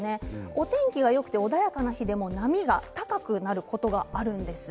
お天気がよくて穏やかな日でも波が高くなることがあるんです。